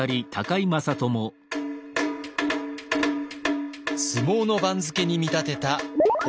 相撲の番付に見立てた温泉番付。